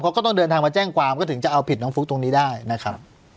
เขาก็ต้องเดินทางมาแจ้งความก็ถึงจะเอาผิดน้องฟุ๊กตรงนี้ได้นะครับ